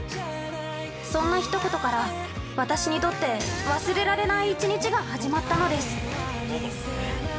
◆そんな一言から私にとって忘れられない１日が始まったのです。